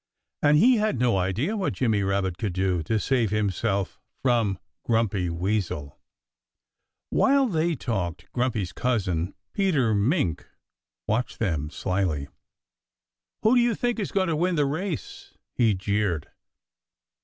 And he had no idea what Jimmy Rabbit could do to save himself from Grumpy Weasel. While they talked, Grumpy's cousin, Peter Mink, watched them slyly. "Who do you think is going to win the race?" he jeered.